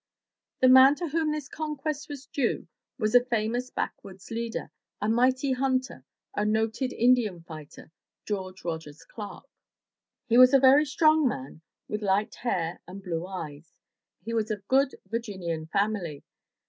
The man to whom this conquest was due was a famous back woods leader, a mighty hunter, a noted Indian fighter, George Rogers Clark. He was a very strong man, with light hair and blue eyes. He was of good Virginian family.